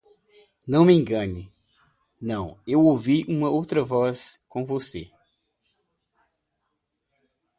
Não me engane não, eu ouvi uma outra voz aí com você.